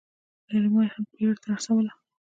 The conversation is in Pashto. ليلما يې هم بيړې ته وهڅوله.